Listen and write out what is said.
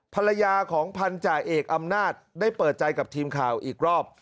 ภรรยาของพันธาเอกอำนาจได้เปิดใจกับทีมข่าวอีกรอบ